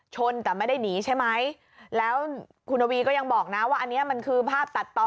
ชนแต่ไม่ได้หนีใช่ไหมแล้วคุณทวีก็ยังบอกนะว่าอันนี้มันคือภาพตัดต่อ